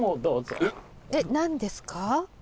えっ何ですか？